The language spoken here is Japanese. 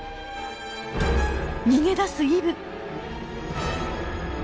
逃げ出すイブ。